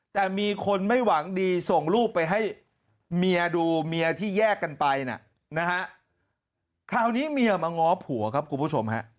แต่มีคนไม่หวังดีส่งรูปไปให้เมียดูเมียที่แยกกันไปนะฮะคราวนี้เมียมาง้อผัวครับคุณผู้ชมฮะ